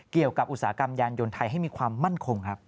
อุตสาหกรรมยานยนต์ไทยให้มีความมั่นคงครับ